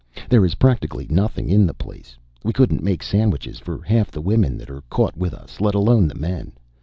There is practically nothing in the place. We couldn't make sandwiches for half the women that are caught with us, let alone the men.